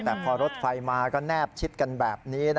แต่พอรถไฟมาก็แนบชิดกันแบบนี้